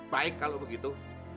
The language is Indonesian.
baik kalau begitu